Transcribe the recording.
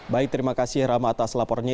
baik terima kasih rama atas laporannya